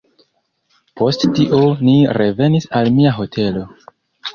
Post tio ni revenis al mia hotelo.